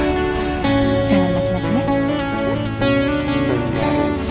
jangan macem macem ya